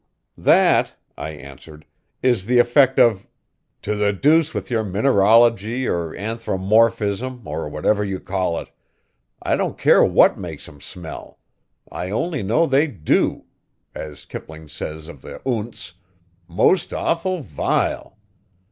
"That," I answered, "is the effect of " "To the deuce with your mineralogy or anthromorphism or whatever you call it. I don't care what makes 'em smell. I only know they do as Kipling says of the oonts 'most awful vile.'